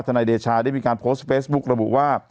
นายเดชาได้มีการโพสต์เฟซบุ๊กระบุว่า